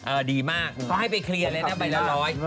อ่าดีมากเขาให้ไปเคลียร์เลยนะไปละ๑๐๐บาท